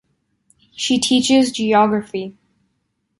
She teaches geography.